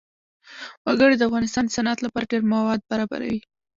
وګړي د افغانستان د صنعت لپاره ډېر مواد برابروي.